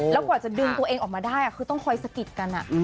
แล้วกว่าจะดึงตัวเองออกมาได้คือต้องคอยสะกิดกัน